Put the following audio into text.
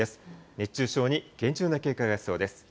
熱中症に厳重な警戒が必要です。